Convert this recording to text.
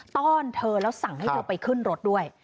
้อนเธอแล้วสั่งให้เธอไปขึ้นรถด้วย